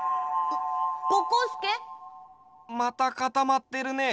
またかたまってるね。